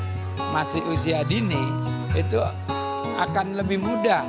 dengan membina anak anak yang masih usia dini itu akan lebih mudah